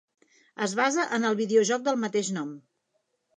Es basa en el videojoc del mateix nom.